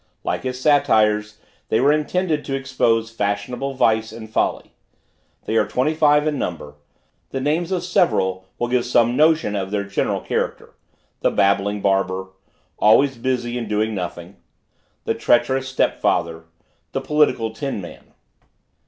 Like his Satires, they were intended to expose fashionable vice and folly. They are twenty five in number. The names of several will give some notion of their general character The Babbling Barber; Always Busy and Doing Nothing; The Treacherous Step father; The Political Tinman.